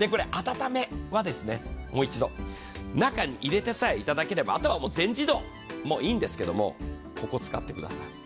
温めはもう一度、中に入れてさえいただければあとはもう全自動も、いいんですけれども、ここ使ってください。